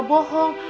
kita pura pura bohong